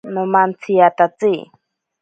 Nomantsiyatatsi.